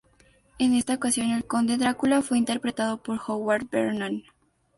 En esta ocasión el conde Drácula fue interpretado por Howard Vernon.